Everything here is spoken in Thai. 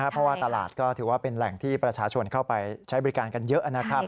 เพราะว่าตลาดก็ถือว่าเป็นแหล่งที่ประชาชนเข้าไปใช้บริการกันเยอะนะครับ